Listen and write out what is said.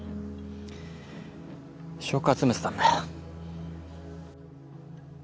証拠集めてたんだよ